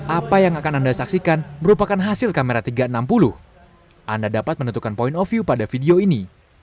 apa yang akan anda saksikan merupakan hasil kamera tiga ratus enam puluh anda dapat menentukan point of view pada video ini